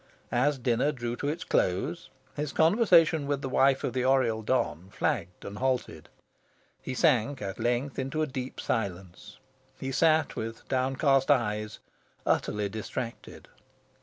As dinner drew to its close, his conversation with the wife of the Oriel don flagged and halted. He sank, at length, into a deep silence. He sat with downcast eyes, utterly distracted.